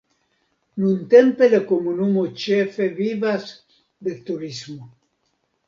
Nuntempe la komunumo ĉefe vivas de turismo.